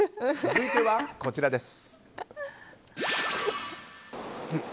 続いてはこちらです。